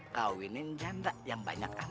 kawinin janda yang banyak anak